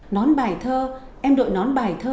nón bài thơ em đội nón bài thơ